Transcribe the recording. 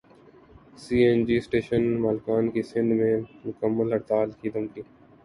سی N G station مالکان کی سندھ میں مکمل ہڑتال کی دھمکی